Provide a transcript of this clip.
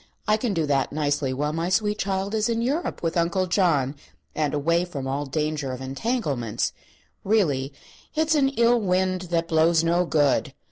I can do that nicely while my sweet child is in Europe with Uncle John, and away from all danger of entanglements. Really, it's an ill wind that blows no good!